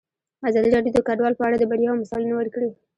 ازادي راډیو د کډوال په اړه د بریاوو مثالونه ورکړي.